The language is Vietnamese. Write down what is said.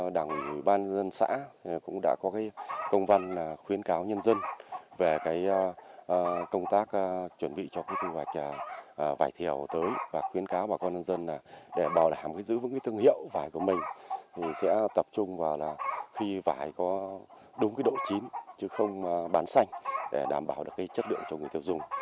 đảng ủy ban dân xã cũng đã có công văn khuyến cáo nhân dân về công tác chuẩn bị cho thu hoạch vải thiểu tới và khuyến cáo bà con dân dân để bảo đảm giữ vững thương hiệu